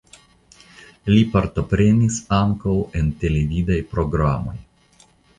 Li partoprenis ankaŭ en televidaj programoj.